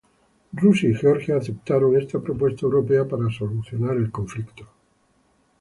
Rusia y Georgia aceptaron esta propuesta europea para solucionar el conflicto.